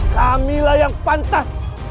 kamilah yang pantas